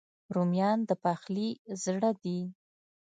رومیان د پخلي زړه دي